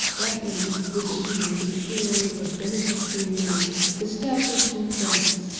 That end was attained in a Priory of Benedictine Nuns, established in France.